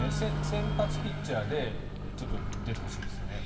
先発ピッチャーで出てほしいですよね。